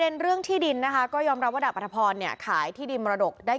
คือรวมแล้วก็ประมาณ๕ล้านที่ลงกับผู้ใหญ่ร่ง